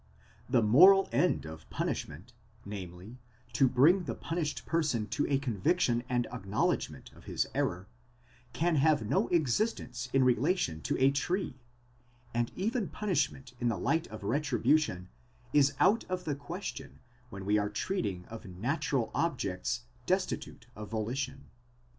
The moral end of punishment, namely, to bring the punished person to a conviction and acknowledgment of his error, can have no existence in relation to a tree ; and even punishment in the light of retribution is out of the question when we are treating of natural objects destitute of volition.?